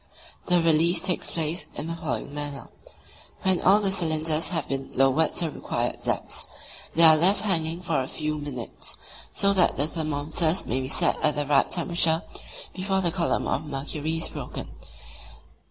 The release takes place in the following manner: when all the cylinders have been lowered to the required depths, they are left hanging for a few minutes, so that the thermometers may be set at the right temperature before the column of mercury is broken.